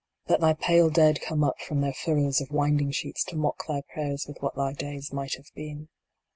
Let thy pale Dead come up from their furrows of winding sheets to mock thy prayers with what thy days might have been.